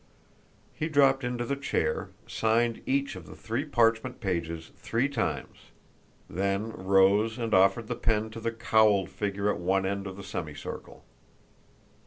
He dropped into the chair, signed each of the three parchment pages three times, then rose and offered the pen to the cowled figure at one end of the semicircle.